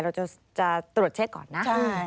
เราจะตรวจเช็คก่อนนะ